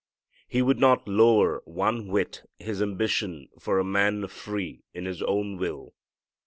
He would not lower one whit His ambition for a man free in his own will.